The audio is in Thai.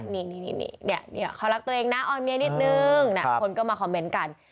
นี่เขารักตัวเองนะออนเมียนิดนึงคนก็มาคอมเมนต์กัน